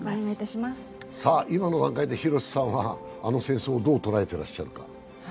今の話題で廣瀬さんはあの戦争をどう捉えているか？